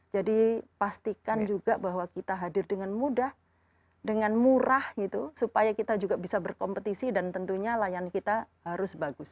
jadi pastikan juga bahwa kita hadir dengan mudah dengan murah gitu supaya kita juga bisa berkompetisi dan tentunya layan kita harus bagus